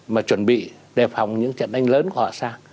mà chuẩn bị đềp phòng những trận đánh lớn của họ sang